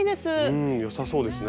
うんよさそうですね。